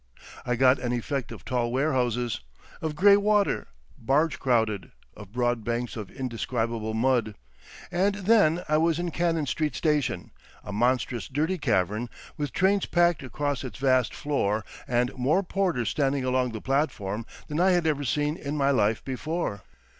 I got an effect of tall warehouses, of grey water, barge crowded, of broad banks of indescribable mud, and then I was in Cannon Street Station—a monstrous dirty cavern with trains packed across its vast floor and more porters standing along the platform than I had ever been in my life before.